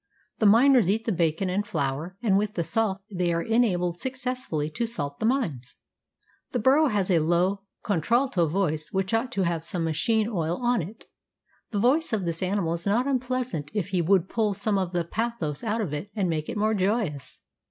The miners eat the bacon and flour, and with the salt they are enabled successfully to salt the mines. The burro has a low, contralto voice which ought to have some machine oil on it. The voice of this animal is not unpleasant if he would pull some of the pathos out of it and make it more joyous.